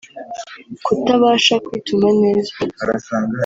Kutabasha kwituma neza